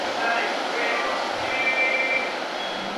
奥努乌岛是一个位于南太平洋美属萨摩亚东南部的小火山岛。